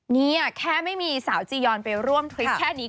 นี่แค่ไม่มีสาวจียอนไปร่วมทริปแค่นี้